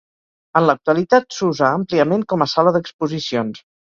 En l'actualitat s'usa àmpliament com a sala d'exposicions.